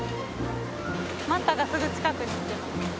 マンタがすぐ近くに来てます。